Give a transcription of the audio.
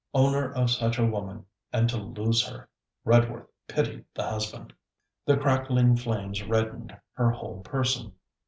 Owner of such a woman, and to lose her! Redworth pitied the husband. The crackling flames reddened her whole person.